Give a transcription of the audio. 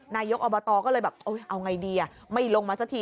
นายกอบตก็เลยแบบเอาไงดีไม่ลงมาสักที